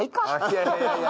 いやいやいや。